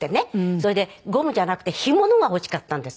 それでゴムじゃなくてヒモのが欲しかったんです。